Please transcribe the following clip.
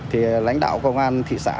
thì lãnh đạo công an thị xã